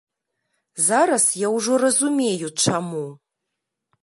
Зараз я ўжо разумею, чаму.